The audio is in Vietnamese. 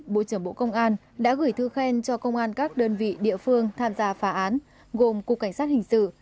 bộ trưởng bộ công an đã gửi thư khen cho công an các đơn vị địa phương tham gia phá án gồm cục cảnh sát hình sự